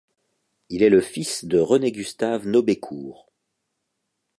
Il est le fils de René-Gustave Nobécourt.